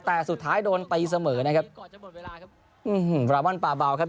แต่สุดท้ายโดนตีเสมอนะครับอื้อหือบราวัลป่าเบาครับ